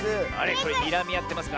これにらみあってますか？